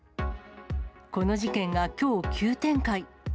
この事件がきょう、急展開。